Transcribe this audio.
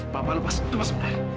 bapak lepas itu mas